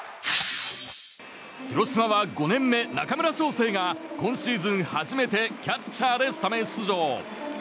広島は５年目、中村奨成が今シーズン初めてキャッチャーでスタメン出場。